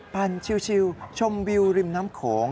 ปั่นชิวชมวิวริมน้ำโขง